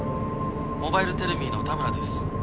モバイルテルミーの田村です